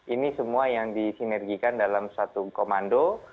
ini semua yang disinergikan dalam satu komando